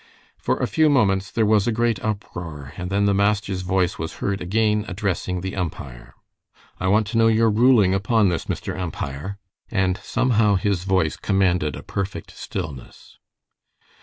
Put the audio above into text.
For a few moments there was a great uproar, and then the master's voice was heard again addressing the umpire. "I want to know your ruling upon this, Mr. Umpire"; and somehow his voice commanded a perfect stillness.